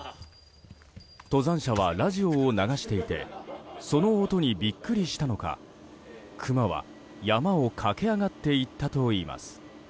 登山者はラジオを流していてその音にビックリしたのかクマは山を駆け上がっていったといいます。